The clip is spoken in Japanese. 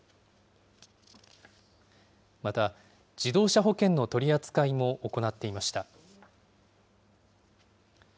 また、自動車保険の取り扱いも行っていました。